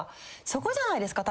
そこじゃないですか？